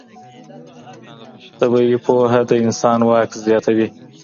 طبيعي پوهه د انسان واک زياتوي.